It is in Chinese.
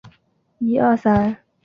谢讷帕基耶的总面积为平方公里。